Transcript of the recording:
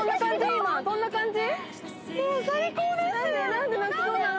今どんな感じ？